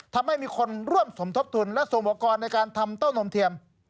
ทำให้มีคนร่วมสมทบทุนและส่งอุปกรณ์ในการทำเต้านมเทียม